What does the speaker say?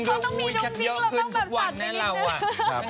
ต้องมีดุงดิงต้องฝั่งที่ดิน